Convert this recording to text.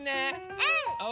うん！